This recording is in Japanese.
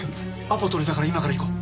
アポ取れたから今から行こう。